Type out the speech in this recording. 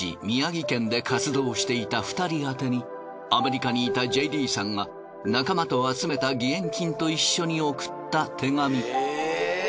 宮城県で活動していた２人宛てにアメリカにいたＪＤさんが仲間と集めた義援金と一緒に送った手紙。